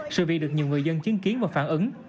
sự việc được nhiều người dân chứng kiến và phản ứng